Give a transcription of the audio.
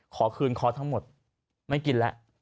ขอคืนคอทั้งหมดไม่กินแล้ว